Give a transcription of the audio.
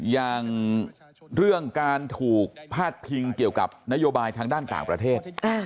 อย่างเรื่องการถูกพาดพิงเกี่ยวกับนโยบายทางด้านต่างประเทศ